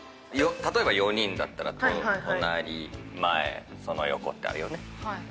例えば４人だったら隣前その横ってあるよね。